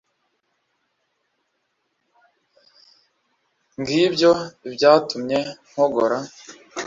Ngibyo ibyatumye mpogora,